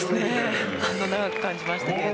長く感じました。